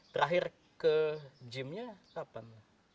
terakhir ke gymnya kapan